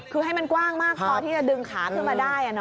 คือให้มันกว้างมากพอที่จะดึงขาขึ้นมาได้